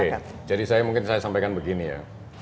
oke jadi mungkin saya sampaikan begini ya